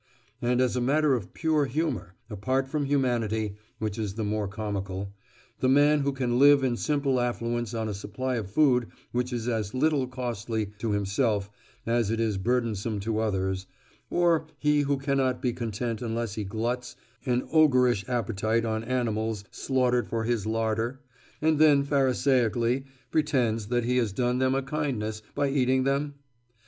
And as a matter of pure humour, apart from humanity, which is the more comical—the man who can live in simple affluence on a supply of food which is as little costly to himself as it is burdensome to others, or he who cannot be content unless he gluts an ogreish appetite on animals slaughtered for his larder, and then pharisaically pretends that he has done them a kindness by eating them?